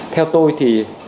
theo tôi thì